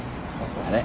あれ？